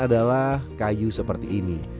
adalah kayu seperti ini